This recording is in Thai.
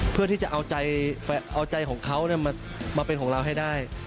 เพื่อที่จะเอาใจของเขามาเป็นของเราให้ได้